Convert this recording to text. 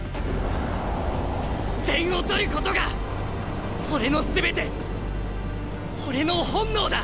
点を取ることが俺の全て俺の本能だ！